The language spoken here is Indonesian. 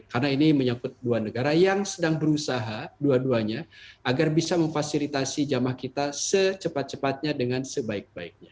karena ini menyangkut dua negara yang sedang berusaha dua duanya agar bisa memfasilitasi jamah kita secepat cepatnya dengan sebaik baiknya